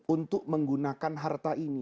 untuk menggunakan harta ini